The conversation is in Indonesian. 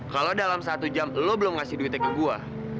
kalau dalam satu jam lo belum ngasih duitnya ke gue